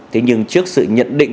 thế nhưng trước sự nhận định